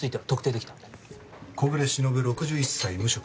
小暮しのぶ６１歳無職。